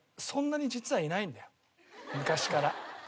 そんなに実はいないんだよ昔から。